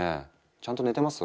ちゃんと寝てます？